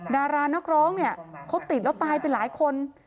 ดารานักร้องเนี่ยเขาติดแล้วตายไปหลายคน